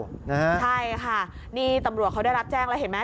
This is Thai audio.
ใช่ค่ะนี่ตำรวจเขาได้รับแจ้งแล้วเห็นไหม